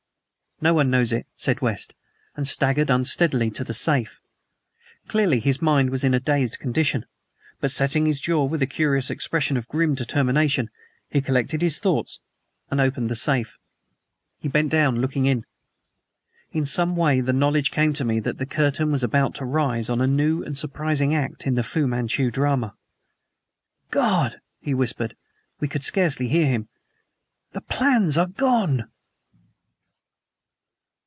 "No one else knows it," said West, and staggered unsteadily to the safe. Clearly his mind was in a dazed condition, but, setting his jaw with a curious expression of grim determination, he collected his thoughts and opened the safe. He bent down, looking in. In some way the knowledge came to me that the curtain was about to rise on a new and surprising act in the Fu Manchu drama. "God!" he whispered we could scarcely hear him "the plans are gone!"